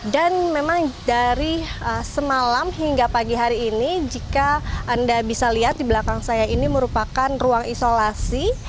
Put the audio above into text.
dan memang dari semalam hingga pagi hari ini jika anda bisa lihat di belakang saya ini merupakan ruang isolasi